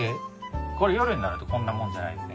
これ夜になるとこんなもんじゃないんですね。